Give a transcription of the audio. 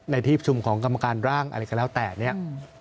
ในที่ประชุมของกรรมการร่างอะไรก็แล้วแต่เนี่ย